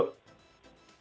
aku nggak tahu satu satunya